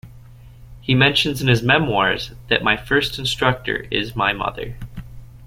He mentions in his memoirs that "my first instructor is my mother".